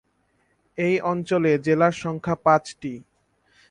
এই অঞ্চলে জেলার সংখ্যা পাঁচটি।